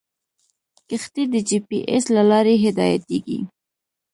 کښتۍ د جي پي ایس له لارې هدایتېږي.